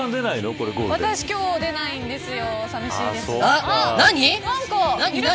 私、今日出ないんですよ。